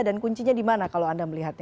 dan kuncinya di mana kalau anda melihatnya